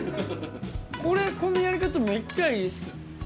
これこのやり方めっちゃいいです。